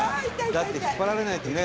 だって引っ張られないとね。